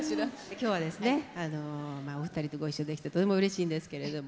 今日はですねお二人とご一緒できてとてもうれしいんですけれども。